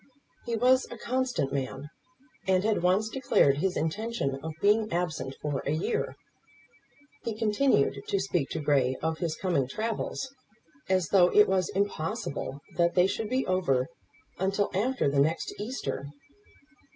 He was a constant man, and had once declared his intention of being absent for a year. He continued to speak to Grey of his coming travels, as though it was impossible that they should be over until after the next Easter.